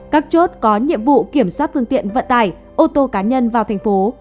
các chốt có nhiệm vụ kiểm soát phương tiện vận tải ô tô cá nhân vào thành phố